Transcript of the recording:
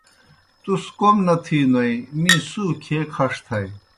تُس کوْم نہ تِھینوئے می سُو کھیے کھݜ تھائے۔